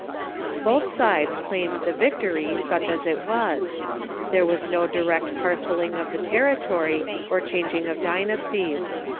Both sides claimed the victory, such as it was. There was no direct parcelling of the territory or changing of dynasties.